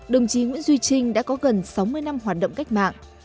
đồng chí nguyễn duy trinh đã có gần sáu mươi năm hoạt động cách mạng